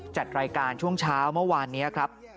จัดรายการช่วงเช้าเมื่อวานนี้ครับ